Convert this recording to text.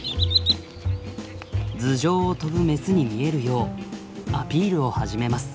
頭上を飛ぶメスに見えるようアピールを始めます。